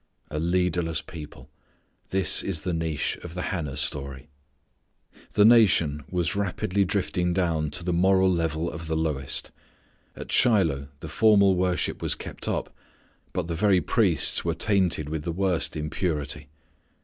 A leaderless people! This is the niche of the Hannah story. The nation was rapidly drifting down to the moral level of the lowest. At Shiloh the formal worship was kept up, but the very priests were tainted with the worst impurity.